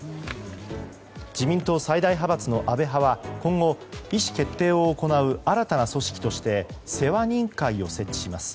自民党最大派閥の安倍派は今後、意思決定を行う新たな組織として世話人会を設置します。